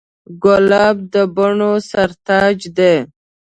ګلاب د بڼو سر تاج دی.